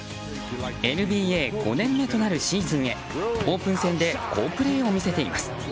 ＮＢＡ５年目となるシーズンへオープン戦で好プレーを見せています。